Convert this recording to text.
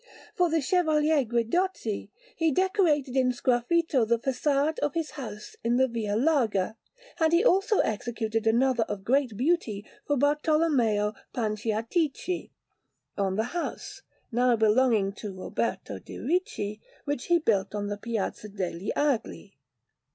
For the Chevalier Guidotti he decorated in sgraffito the façade of his house in the Via Larga, and he also executed another of great beauty for Bartolommeo Panciatichi, on the house (now belonging to Ruberto de' Ricci) which he built on the Piazza degli Agli.